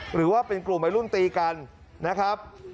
หรือว่าเป็นกลุ่มวัยรุ่นตีกันนะครับ